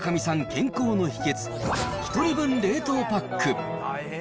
健康の秘けつ、１人分冷凍パック。